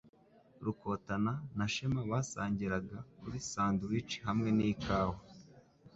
Rukotana na shema Basangiraga kuri sandwiches hamwe nikawa.